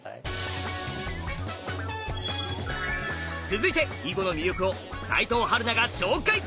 続いて囲碁の魅力を齋藤陽菜が紹介！